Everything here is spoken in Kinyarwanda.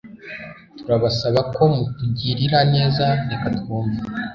Turabasaba ko mutugirira neza reka twumve